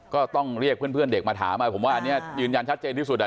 ก็ต้องเรียกเพื่อนเด็กมาถามผมว่าอันนี้ยืนยันชัดเจนที่สุด